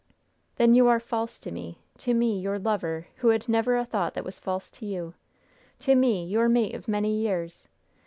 "Then you are false to me to me, your lover, who had never a thought that was false to you! to me, your mate of many years!